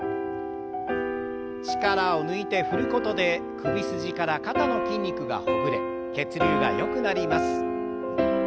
力を抜いて振ることで首筋から肩の筋肉がほぐれ血流がよくなります。